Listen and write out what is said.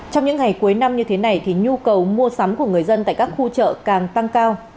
trong những ngày cuối năm như thế này thì nhu cầu mua sắm của người dân tại các khu chợ càng tăng cao